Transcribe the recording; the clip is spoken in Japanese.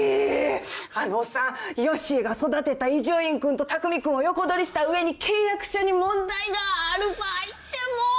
あのおっさんヨッシーが育てた伊集院君と匠君を横取りした上に契約書に「問題がある場合」ってもう。